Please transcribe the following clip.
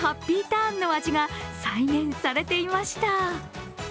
ターンの味が再現されていました。